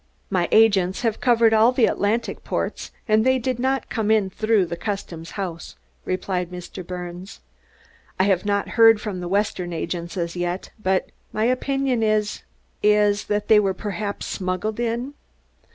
"My agents have covered all the Atlantic ports and they did not come in through the Custom House," replied Mr. Birnes. "I have not heard from the western agents as yet, but my opinion is is that they were perhaps smuggled in.